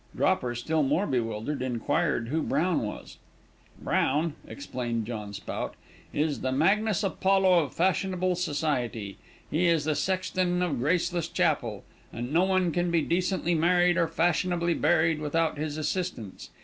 Dropper, still more bewildered, inquired who Brown was. "Brown," explained John Spout, "is the Magnus Apollo of fashionable society he is the sexton of Graceless Chapel, and no one can be decently married, or fashionably buried without his assistance.